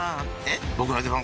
僕の出番